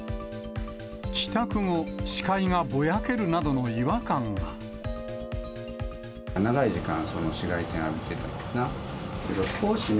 帰宅後、長い時間、紫外線浴びてたのかな。